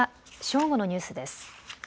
正午のニュースです。